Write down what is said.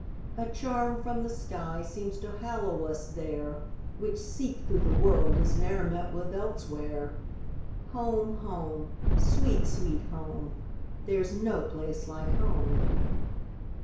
A charm from the sky seems to hallow us there, Which, seek through the world, is ne'er met with elsewhere. Home! home! sweet, sweet home! There 's no place like home!